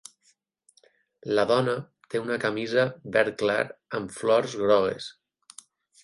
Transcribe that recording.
La dona té una camisa verd clar amb flors grogues